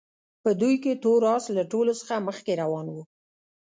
په دوی کې تور اس له ټولو څخه مخکې روان وو.